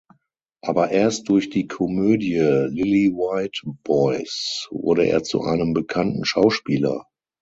Aber erst durch die Komödie "Lillywhite Boys" wurde er zu einem bekannten Schauspieler.